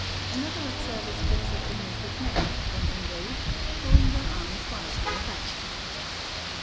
Another observer speaks of the native men, when enraged, throwing their arms wildly about.